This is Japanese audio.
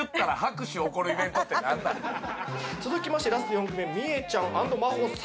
続きましてラスト４組目みえちゃん＆まほ様。